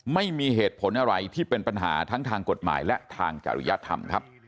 ไม่มีเหตุผลอะไรที่เป็นปัญหาทั้งทางกฎหมายและทางจริยธรรมครับ